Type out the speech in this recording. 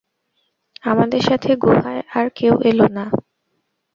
আমাদের সাথে গুহায় আর কেউ এলো না।